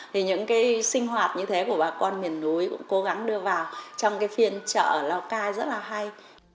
thì những cái sinh hoạt như thế của bà con miền núi cũng cố gắng đưa vào trong cái phiên chợ ở lào cai rất là hay